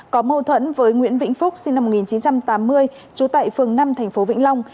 có mâu thuẫn với nguyễn vĩnh phúc sinh năm một nghìn chín trăm tám mươi trú tại phường năm thành phố vĩnh long